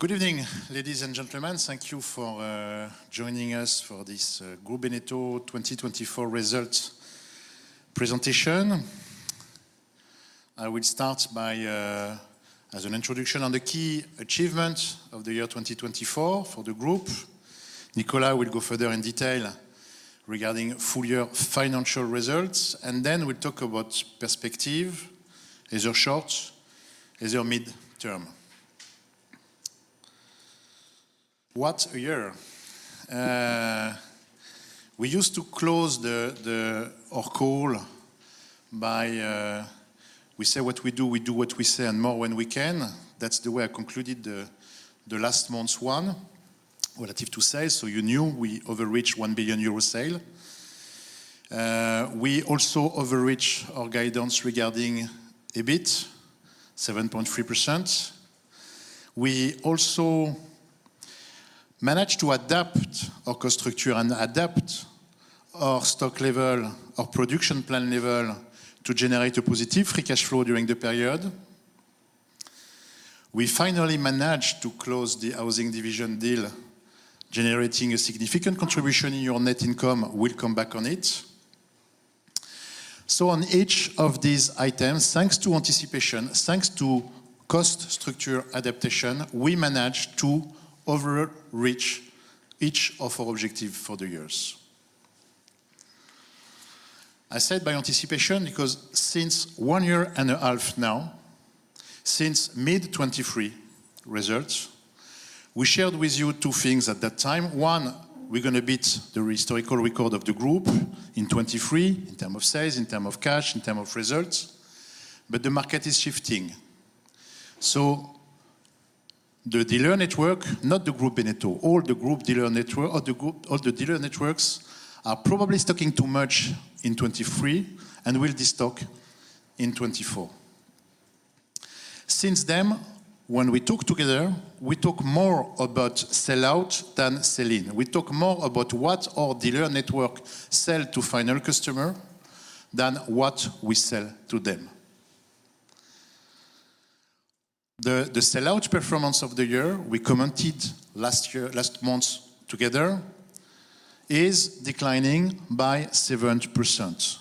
Good evening, ladies and gentlemen. Thank you for joining us for this Groupe Bénéteau 2024 results presentation. I will start as an introduction on the key achievements of the year 2024 for the group. Nicolas will go further in detail regarding full-year financial results. Then we'll talk about perspective, either short, either mid-term. What a year. We used to close our call by we say what we do, we do what we say, and more when we can. That's the way I concluded the last month's one, relative to sales. You knew we overreached 1 billion euro sale. We also overreached our guidance regarding EBIT, 7.3%. We also managed to adapt our cost structure and adapt our stock level, our production plan level, to generate a positive free cash flow during the period. We finally managed to close the Housing division deal, generating a significant contribution in our net income. We'll come back on it. On each of these items, thanks to anticipation, thanks to cost structure adaptation, we managed to overreach each of our objective for the year. I said by anticipation, because since one year and a half now, since mid-2023 results, we shared with you two things at that time. One, we're going to beat the historical record of the group in 2023 in terms of sales, in terms of cash, in terms of results. The market is shifting. The dealer network, not the Groupe Bénéteau, all the dealer networks are probably stocking too much in 2023 and will de-stock in 2024. Since then, when we talk together, we talk more about sell-out than sell-in. We talk more about what our dealer network sell to final customers than what we sell to them. The sell-out performance of the year, we commented last month together, is declining by 70%,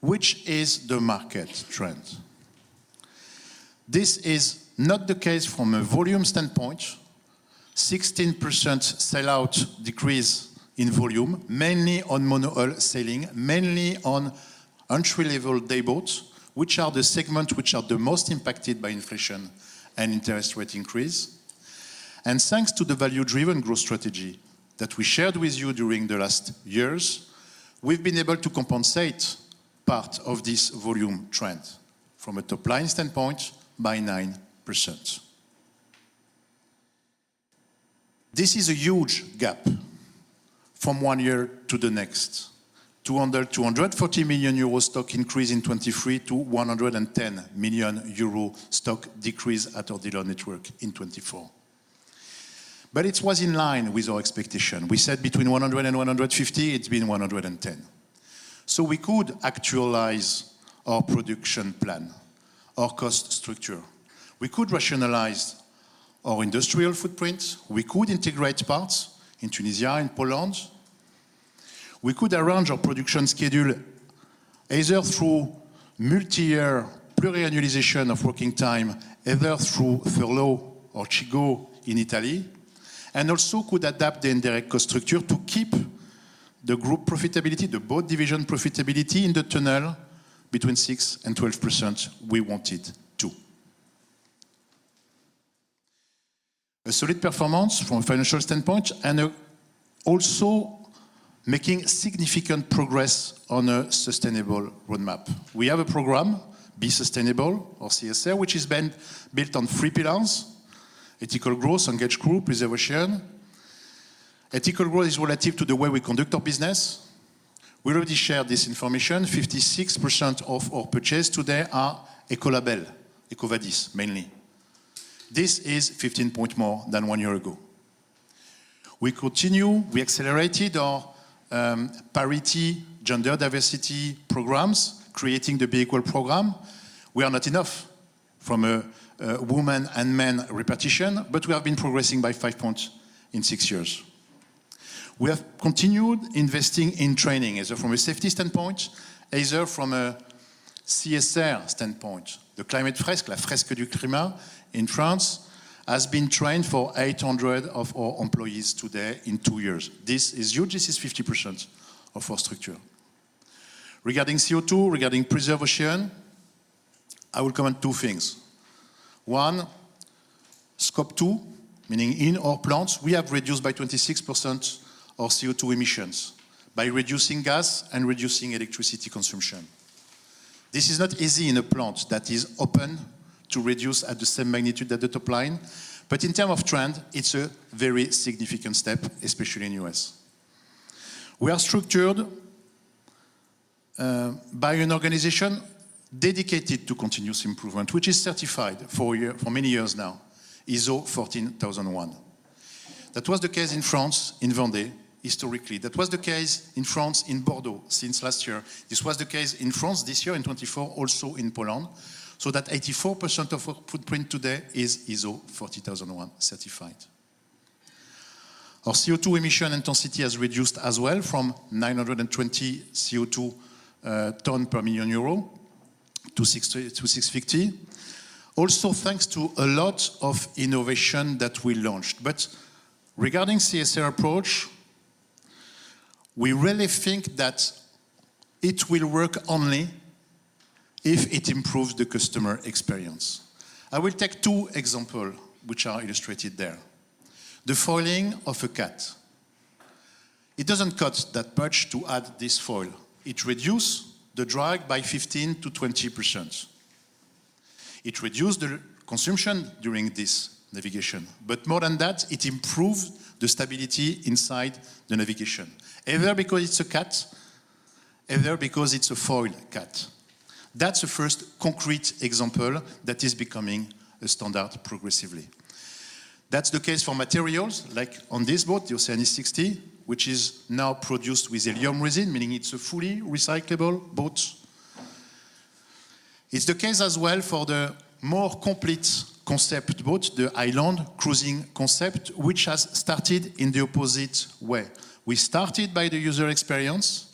which is the market trend. This is not the case from a volume standpoint, 16% sell-out decrease in volume, mainly on monohull selling, mainly on entry-level day boats, which is the segment which is the most impacted by inflation and interest rate increase. Thanks to the value-driven growth strategy that we shared with you during the last years, we've been able to compensate part of this volume trend from a top-line standpoint by 9%. This is a huge gap from one year to the next. 240 million euro stock increase in 2023 to 110 million euro stock decrease at our dealer network in 2024. It was in line with our expectation. We said between 100 and 150, it's been 110. We could actualize our production plan, our cost structure. We could rationalize our industrial footprint. We could integrate parts in Tunisia, in Poland. We could arrange our production schedule either through multi-year pluriannualization of working time, either through furlough or CIG in Italy, and also could adapt the indirect cost structure to keep the group profitability, the boat division profitability in the tunnel between 6% and 12% we wanted to. A solid performance from a financial standpoint and also making significant progress on a sustainable roadmap. We have a program, B-Sustainable or CSR, which has been built on three pillars: Ethical Growth, Engage Group, Preserve Ocean. Ethical Growth is relative to the way we conduct our business. We already shared this information, 56% of our purchases today are Eco Label, EcoVadis, mainly. This is 15 points more than one year ago. We accelerated our parity, gender diversity programs, creating the B-Equal program. We are not enough from a women and men repetition, but we have been progressing by five points in six years. We have continued investing in training, either from a safety standpoint, either from a CSR standpoint. The Climate Fresk, La Fresque du Climat in France, has been trained for 800 of our employees today in two years. This is huge. This is 50% of our structure. Regarding CO2, regarding preserving oceans, I will comment two things. One, Scope 2, meaning in our plants, we have reduced by 26% our CO2 emissions by reducing gas and reducing electricity consumption. This is not easy in a plant that is open to reduce at the same magnitude at the top line. In terms of trend, it's a very significant step, especially in U.S. We are structured by an organization dedicated to continuous improvement, which is certified for many years now, ISO 14001. That was the case in France, in Vendée, historically. That was the case in France, in Bordeaux since last year. This was the case in France this year, in 2024, also in Poland. 84% of our footprint today is ISO 14001 certified. Our CO2 emission intensity has reduced as well from 920 CO2 tons per EUR 1 million to 650. Thanks to a lot of innovation that we launched. Regarding CSR approach, we really think that it will work only if it improves the customer experience. I will take two examples which are illustrated there. The foiling of a cat. It doesn't cost that much to add this foil. It reduces the drag by 15%-20%. It reduces the consumption during this navigation. More than that, it improves the stability inside the navigation. Either because it's a cat, either because it's a foil cat. That's the first concrete example that is becoming a standard progressively. That's the case for materials like on this boat, the Oceanis Yacht 60, which is now produced with Elium resin, meaning it's a fully recyclable boat. It's the case as well for the more complete concept boat, the Island Cruising Concept, which has started in the opposite way. We started by the user experience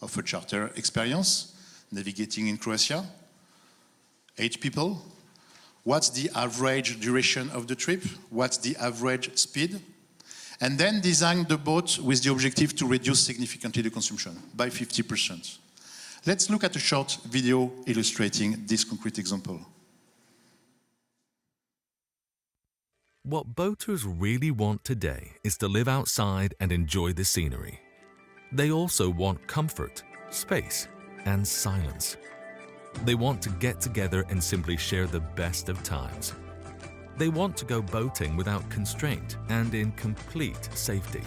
of a charter experience navigating in Croatia, eight people. What's the average duration of the trip? What's the average speed? Then designed the boat with the objective to reduce significantly the consumption by 50%. Let's look at a short video illustrating this concrete example. What boaters really want today is to live outside and enjoy the scenery. They also want comfort, space, and silence. They want to get together and simply share the best of times. They want to go boating without constraint and in complete safety.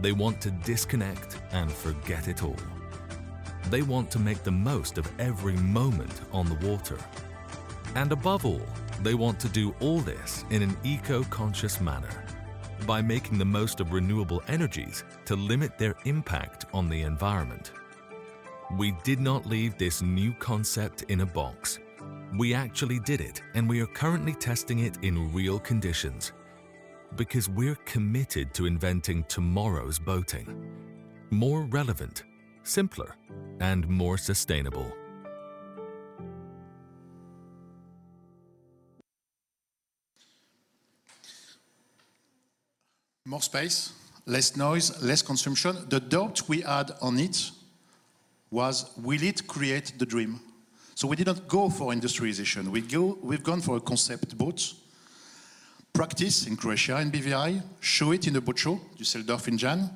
They want to disconnect and forget it all. They want to make the most of every moment on the water. Above all, they want to do all this in an eco-conscious manner, by making the most of renewable energies to limit their impact on the environment. We did not leave this new concept in a box. We actually did it, and we are currently testing it in real conditions because we're committed to inventing tomorrow's boating. More relevant, simpler, and more sustainable. More space, less noise, less consumption. The doubt we had on it was will it create the dream? We did not go for industrialization. We've gone for a concept boat, practice in Croatia and BVI, show it in the boat show, Düsseldorf in January.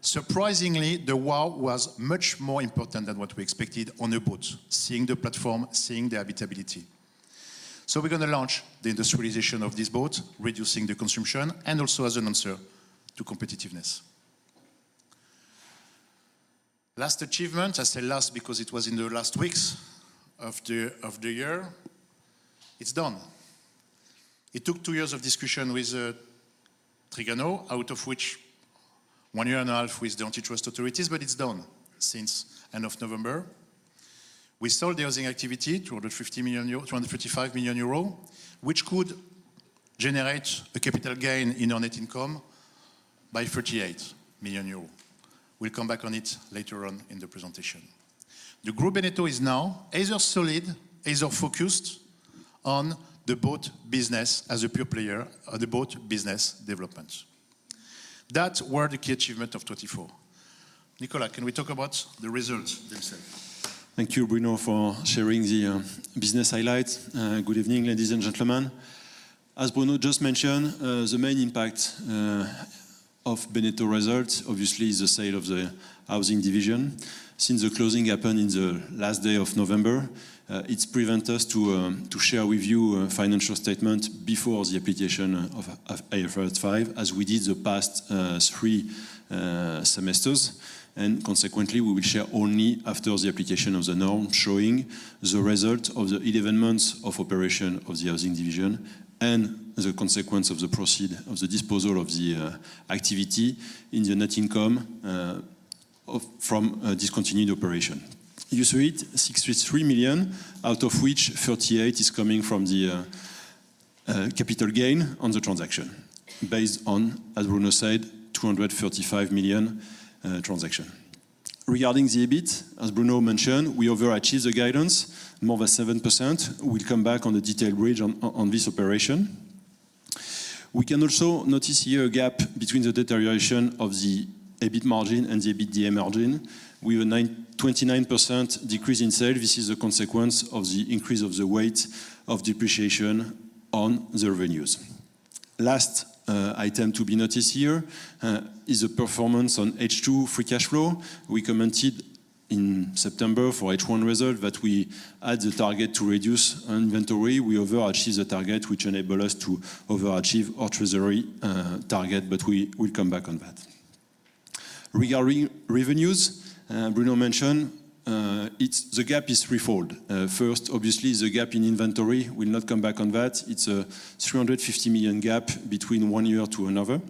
Surprisingly, the wow was much more important than what we expected on a boat, seeing the platform, seeing the habitability. We're going to launch the industrialization of this boat, reducing the consumption, and also as an answer to competitiveness. Last achievement, I say last because it was in the last weeks of the year, it's done. It took 2 years of discussion with Trigano, out of which one year and a half with the antitrust authorities, but it's done since end of November. We sold the housing activity, 255 million euro, which could generate a capital gain in our net income by 38 million euros. We'll come back on it later on in the presentation. The Groupe Bénéteau is now as solid, as focused on the boat business as a pure player, the boat business development. That were the key achievement of 2024. Nicolas, can we talk about the results themselves? Thank you, Bruno, for sharing the business highlights. Good evening, ladies and gentlemen. As Bruno just mentioned, the main impact of Bénéteau results, obviously, is the sale of the housing division. Since the closing happened in the last day of November, it prevent us to share with you a financial statement before the application of IFRS 5, as we did the past three semesters. Consequently, we will share only after the application of the norm showing the result of the 11 months of operation of the housing division and the consequence of the proceed of the disposal of the activity in the net income from discontinued operation. You saw it, 633 million, out of which 38 is coming from the capital gain on the transaction based on, as Bruno said, 235 million transaction. Regarding the EBIT, as Bruno mentioned, we overachieved the guidance more than 7%. We'll come back on the detailed bridge on this operation. We can also notice here a gap between the deterioration of the EBIT margin and the EBITDA margin with a 29% decrease in sales. This is a consequence of the increase of the weight of depreciation on the revenues. Last item to be noticed here is the performance on H2 free cash flow. We commented in September for H1 result that we had the target to reduce inventory. We overachieve the target, which enable us to overachieve our treasury target, but we will come back on that. Regarding revenues, Bruno mentioned the gap is threefold. First, obviously, the gap in inventory will not come back on that. It's a 350 million gap between one year to another.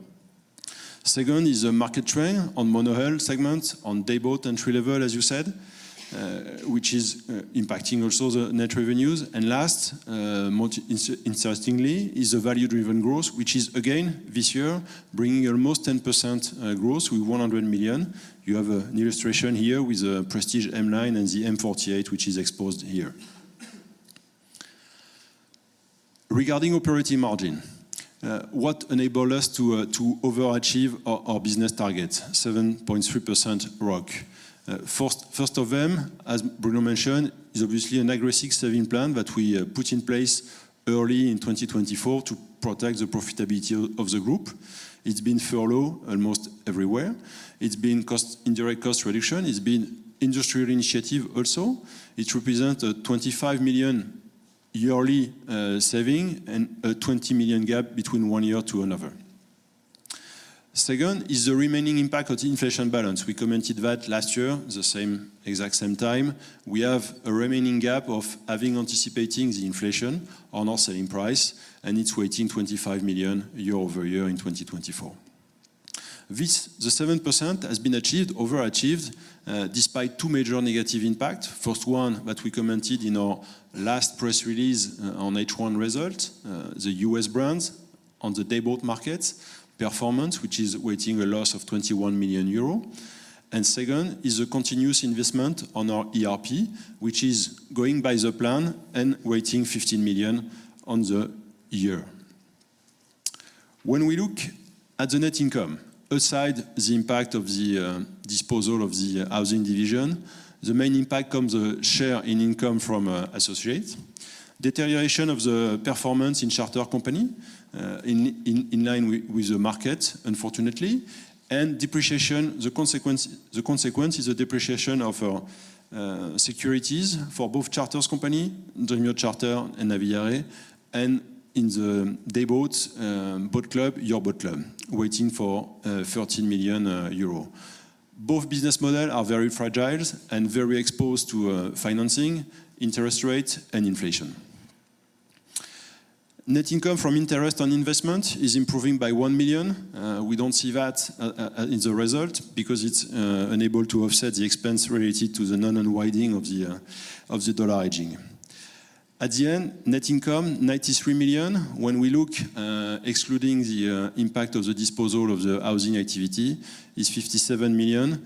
Second is a market trend on monohull segment on dayboat and trilevel, as you said, which is impacting also the net revenues. Last, most interestingly, is the value-driven growth, which is again, this year, bringing almost 10% growth with 100 million. You have an illustration here with the Prestige M8 and the Prestige M48, which is exposed here. Regarding operating margin, what enabled us to overachieve our business target, 7.3% ROC. First of them, as Bruno mentioned, is obviously an aggressive saving plan that we put in place early in 2024 to protect the profitability of the group. It's been followed almost everywhere. It's been indirect cost reduction. It's been industrial initiative also. It represents a 25 million yearly saving and a 20 million gap between one year to another. Second is the remaining impact of the inflation balance. We commented that last year, the exact same time. We have a remaining gap of having anticipating the inflation on our selling price, and it's waiting 25 million euro year-over-year in 2024. The 7% has been overachieved despite two major negative impact. First one that we commented in our last press release on H1 result, the U.S. brands on the dayboat market performance, which is waiting a loss of 21 million euros. Second is a continuous investment on our ERP, which is going by the plan and waiting 15 million on the year. When we look at the net income, aside the impact of the disposal of the housing division, the main impact comes a share in income from associates. Deterioration of the performance in charter company in line with the market, unfortunately, and the consequence is a depreciation of securities for both charters company, The Moor Charter and Naviera, and in the dayboats boat club, Your Boat Club, waiting for 13 million euro. Both business model are very fragile and very exposed to financing, interest rate, and inflation. Net income from interest on investment is improving by 1 million. We don't see that in the result because it's unable to offset the expense related to the non-unwinding of the USD hedging. At the end, net income, 93 million. When we look excluding the impact of the disposal of the housing activity is 57 million,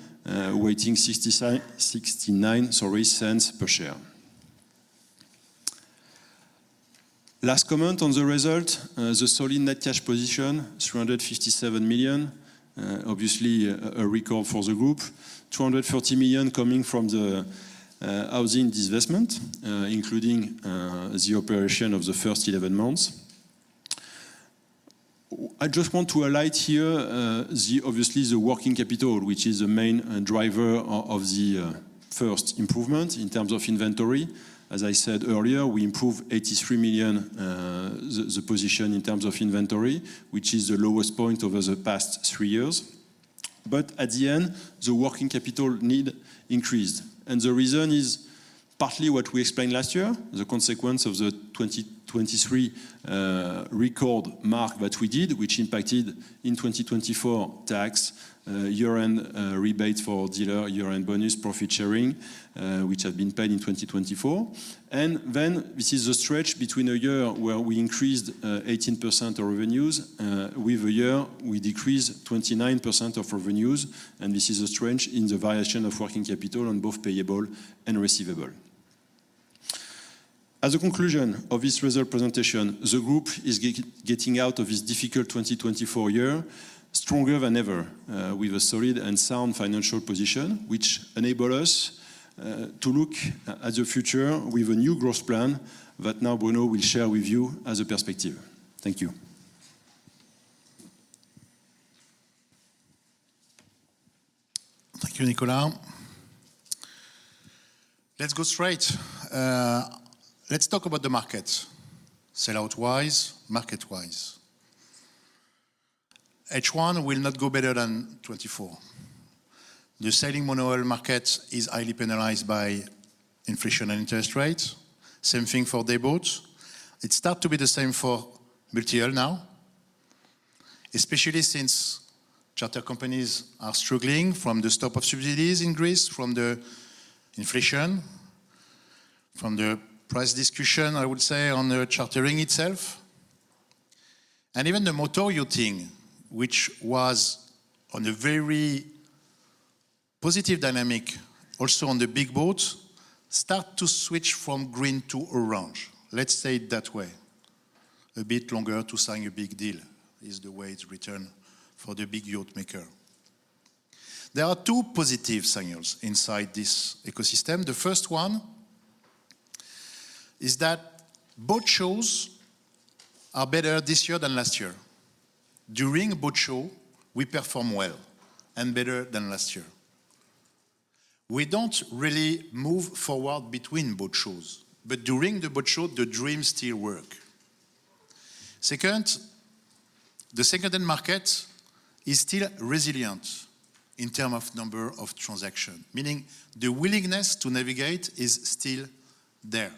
waiting 0.69 per share. Last comment on the result, the solid net cash position, 357 million. Obviously, a record for the group. 230 million coming from the housing divestment including the operation of the first 11 months. I just want to highlight here, obviously, the working capital, which is the main driver of the first improvement in terms of inventory. As I said earlier, we improved 83 million, the position in terms of inventory, which is the lowest point over the past three years. At the end, the working capital need increased. The reason is partly what we explained last year, the consequence of the 2023 record mark that we did, which impacted in 2024 tax, year-end rebate for dealer, year-end bonus, profit sharing, which had been paid in 2024. This is a stretch between a year where we increased 18% of revenues, with a year we decreased 29% of revenues, and this is a stretch in the variation of working capital on both payable and receivable. As a conclusion of this result presentation, the group is getting out of this difficult 2024 year stronger than ever, with a solid and sound financial position, which enable us to look at the future with a new growth plan that now Bruno will share with you as a perspective. Thank you. Thank you, Nicolas. Let's go straight. Let's talk about the market, sell-out wise, market-wise. H1 will not go better than 2024. The sailing monohull market is highly penalized by inflation and interest rates. Same thing for dayboats. It start to be the same for multihull now, especially since charter companies are struggling from the stop of subsidies increase from the inflation, from the price discussion, I would say, on the chartering itself. Even the motor yachting, which was on a very positive dynamic also on the big boats, start to switch from green to orange. Let's say it that way. A bit longer to sign a big deal is the way it's written for the big yacht maker. There are 2 positive signals inside this ecosystem. The first one is that boat shows are better this year than last year. During a boat show, we perform well and better than last year. We don't really move forward between boat shows. During the boat show, the dream still work. Second, the second-hand market is still resilient in terms of number of transactions, meaning the willingness to navigate is still there.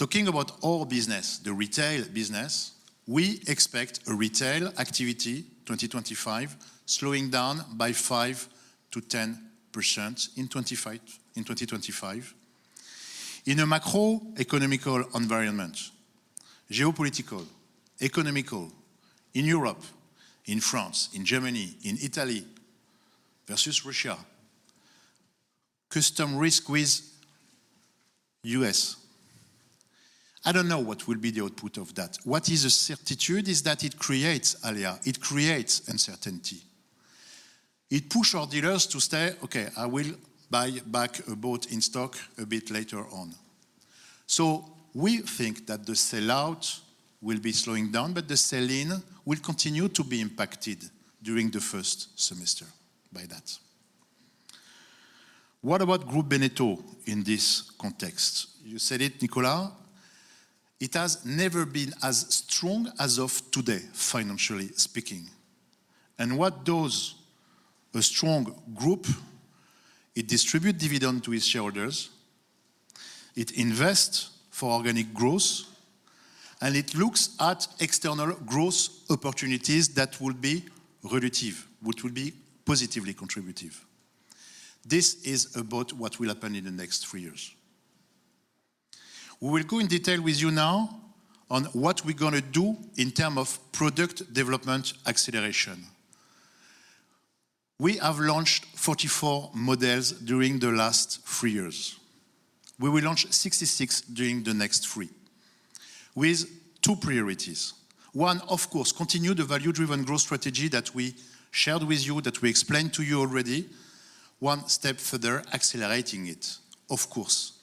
Talking about our business, the retail business, we expect a retail activity 2025 slowing down by 5%-10% in 2025. In a macroeconomic environment, geopolitical, economical, in Europe, in France, in Germany, in Italy versus Russia, custom risk with U.S. I don't know what will be the output of that. What is a certitude is that it creates uncertainty. It push our dealers to say, "Okay, I will buy back a boat in stock a bit later on." We think that the sell-out will be slowing down, but the sell in will continue to be impacted during the first semester by that. What about Groupe Bénéteau in this context? You said it, Nicolas. It has never been as strong as of today, financially speaking. And what does a strong group? It distribute dividend to its shareholders, it invest for organic growth, and it looks at external growth opportunities that will be relative, which will be positively contributive. This is about what will happen in the next 3 years. We will go in detail with you now on what we're going to do in terms of product development acceleration. We have launched 44 models during the last 3 years. We will launch 66 during the next 3 with 2 priorities. One, of course, continue the value-driven growth strategy that we shared with you, that we explained to you already, one step further accelerating it. Of course.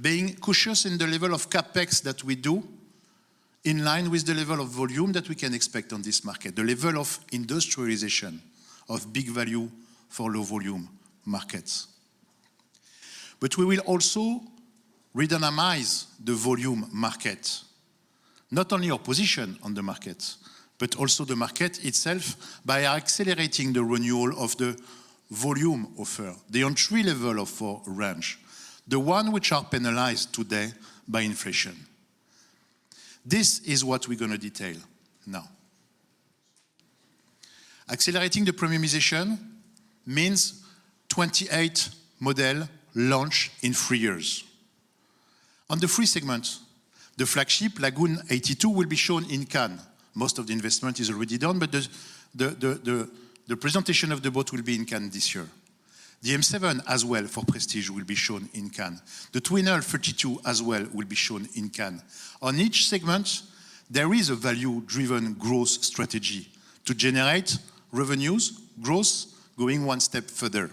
Being cautious in the level of CapEx that we do in line with the level of volume that we can expect on this market, the level of industrialization of big value for low volume markets. We will also redynamize the volume market, not only our position on the market, but also the market itself, by accelerating the renewal of the volume offer, the entry level of our range, the one which are penalized today by inflation. This is what we're going to detail now. Accelerating the premiumization means 28 model launch in 3 years. On the 3 segments, the flagship Lagoon EIGHTY 2 will be shown in Cannes. Most of the investment is already done, the presentation of the boat will be in Cannes this year. The Prestige M7 as well for Prestige will be shown in Cannes. The Gran Turismo 32 as well will be shown in Cannes. On each segment, there is a value-driven growth strategy to generate revenues, growth, going one step further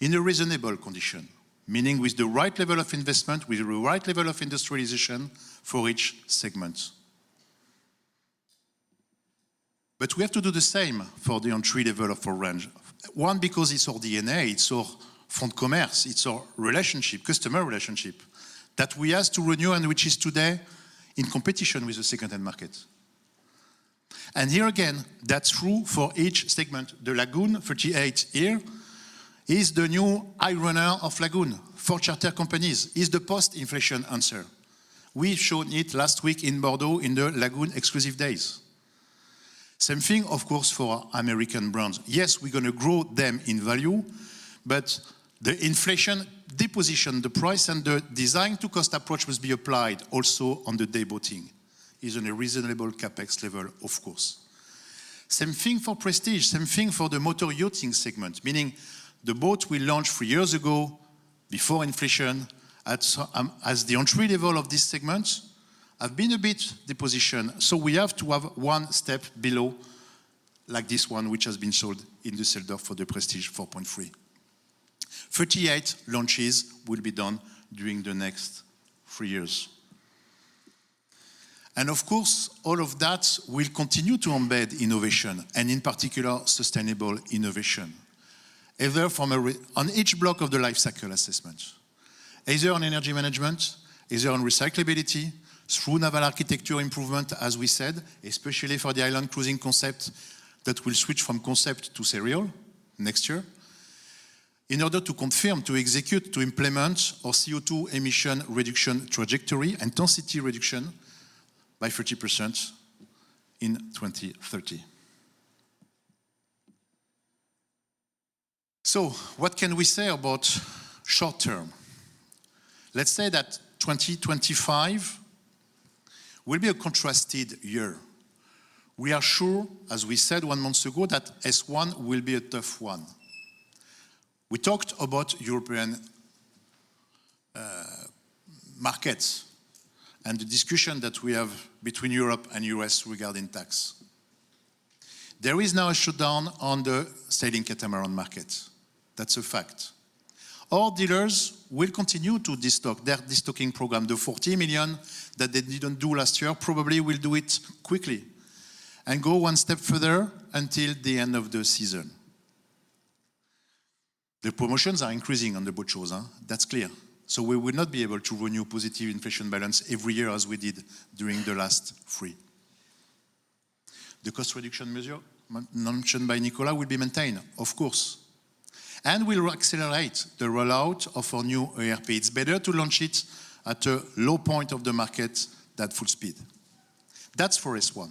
in a reasonable condition, meaning with the right level of investment, with the right level of industrialization for each segment. We have to do the same for the entry level of our range. Because it's our DNA, it's our front commerce, it's our relationship, customer relationship, that we asked to renew and which is today in competition with the second-hand market. Here again, that's true for each segment. The Lagoon 48 here is the new high-runner of Lagoon for charter companies, is the post-inflation answer. We showed it last week in Bordeaux in the Lagoon exclusive days. Same thing, of course, for American brands. Yes, we're going to grow them in value, the inflation deposition, the price, and the design to cost approach must be applied also on the day boating, is in a reasonable CapEx level, of course. Same thing for Prestige, same thing for the motor yachting segment, meaning the boat we launched three years ago before inflation as the entry level of this segment have been a bit deposition. We have to have one step below like this one, which has been sold in the sell-off for the Prestige 420. 38 launches will be done during the next three years. Of course, all of that will continue to embed innovation, and in particular, sustainable innovation. On each block of the life cycle assessment, either on energy management, either on recyclability, through naval architecture improvement, as we said, especially for the Island Cruising Concept that will switch from concept to serial next year, in order to confirm, to execute, to implement our CO2 emission reduction trajectory, intensity reduction by 30% in 2030. What can we say about short term? Let's say that 2025 will be a contrasted year. We are sure, as we said one month ago, that S1 will be a tough one. We talked about European markets and the discussion that we have between Europe and U.S. regarding tax. There is now a shutdown on the sailing catamaran market. That's a fact. Our dealers will continue to destock their destocking program, the 40 million that they didn't do last year. Probably we'll do it quickly and go one step further until the end of the season. The promotions are increasing on the boat shows, that's clear. We will not be able to renew positive inflation balance every year as we did during the last three. The cost reduction measure mentioned by Nicolas will be maintained, of course, and we'll accelerate the rollout of our new ERP. It's better to launch it at a low point of the market than full speed. That's for S1.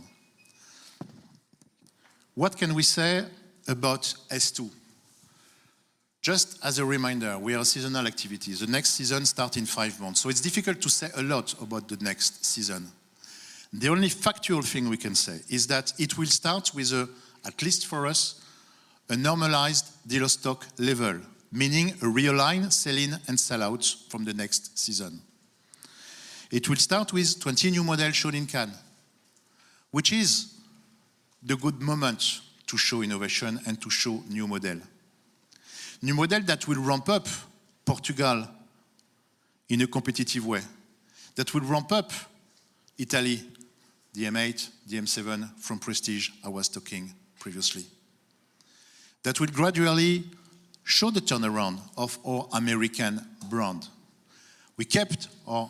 What can we say about S2? Just as a reminder, we are a seasonal activity. The next season start in five months, it's difficult to say a lot about the next season. The only factual thing we can say is that it will start with, at least for us, a normalized dealer stock level, meaning a realigned sell in and sell-out from the next season. It will start with 20 new models shown in Cannes, which is the good moment to show innovation and to show new model. New model that will ramp up Portugal in a competitive way, that will ramp up Italy, the M8, the M7 from Prestige I was talking previously. It will gradually show the turnaround of our American brand. We kept our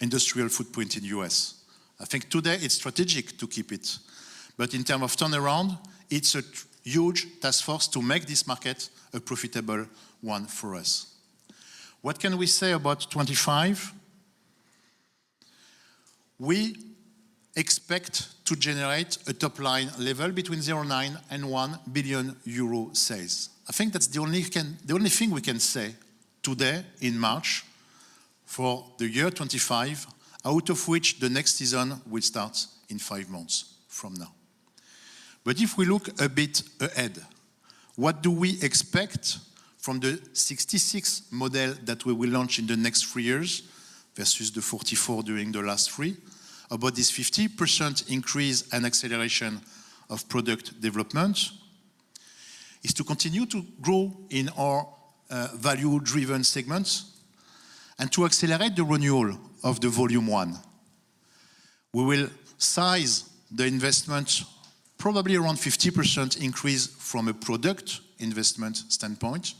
industrial footprint in U.S. I think today it's strategic to keep it. In terms of turnaround, it's a huge task force to make this market a profitable one for us. What can we say about 2025? We expect to generate a top-line level between 0.9 billion-1 billion euro sales. I think that's the only thing we can say today, in March, for the year 2025, out of which the next season will start in five months from now. If we look a bit ahead, what do we expect from the 66 model that we will launch in the next three years, versus the 44 during the last three? About this 50% increase and acceleration of product development is to continue to grow in our value-driven segments and to accelerate the renewal of the Volume One. We will size the investment probably around 50% increase from a product investment standpoint,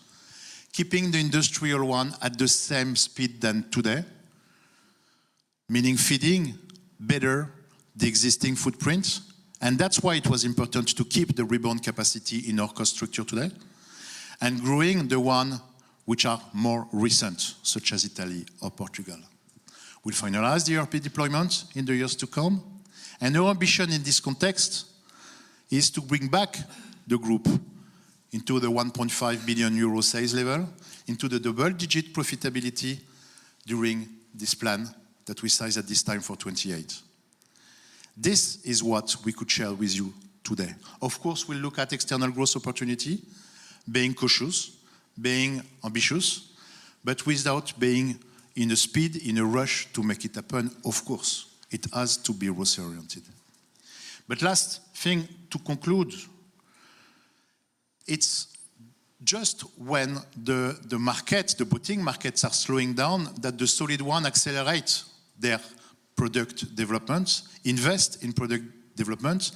keeping the industrial one at the same speed than today, meaning feeding better the existing footprint. That's why it was important to keep the rebound capacity in our cost structure today, and growing the one which are more recent, such as Italy or Portugal. We'll finalize the ERP deployment in the years to come. Our ambition in this context is to bring back the group into the 1.5 billion euro sales level into the double-digit profitability during this plan that we size at this time for 2028. This is what we could share with you today. Of course, we'll look at external growth opportunities, being cautious, being ambitious, but without being at a speed, in a rush to make it happen. Of course, it has to be growth-oriented. Last thing, to conclude, it's just when the boating markets are slowing down that the solid one accelerate their product development, invest in product development,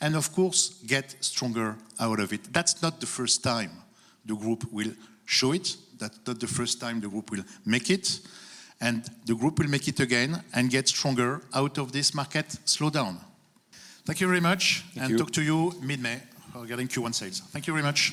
and of course, get stronger out of it. That's not the first time the group will show it. That's not the first time the group will make it, and the group will make it again and get stronger out of this market slowdown. Thank you very much. Thank you. Talk to you mid-May regarding Q1 sales. Thank you very much.